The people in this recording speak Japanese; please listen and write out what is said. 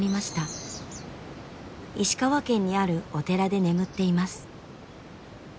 石川県にあるお寺で眠っています。